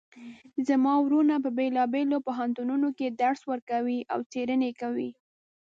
زما وروڼه په بیلابیلو پوهنتونونو کې درس ورکوي او څیړنې کوی